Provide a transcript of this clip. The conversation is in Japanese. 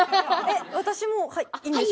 私もいいんですか？